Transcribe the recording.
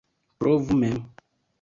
Provu mem!